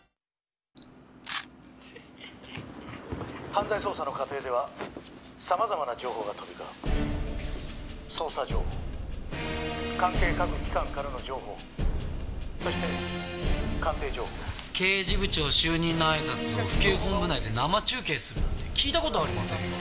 「犯罪捜査の過程では様々な情報が飛び交う」「捜査情報関係各機関からの情報そして鑑定情報」刑事部長就任の挨拶を府警本部内で生中継するなんて聞いた事ありませんよ。